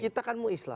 kita kan mau islah